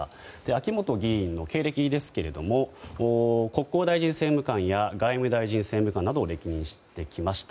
秋本議員の経歴ですが国交大臣政務官や外務大臣政務官などを歴任してきました。